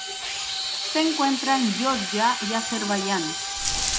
Se encuentra en Georgia y Azerbayán.